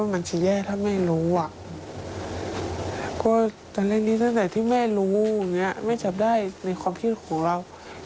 แม่รู้แม่จับได้ในความคิดของเรา